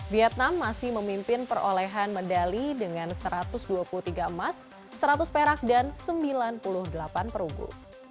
vietnam masih memimpin perolehan medali dengan satu ratus dua puluh tiga emas seratus perak dan sembilan puluh delapan perunggu